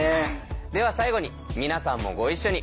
では最後に皆さんもご一緒に。